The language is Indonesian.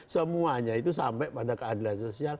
semuanya itu sampai pada keadilan sosial